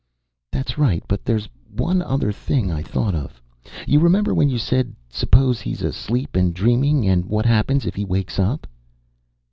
"That's right, but there's one other thing I thought of. You remember when you said suppose he's asleep and dreaming, and what happens if he wakes up?"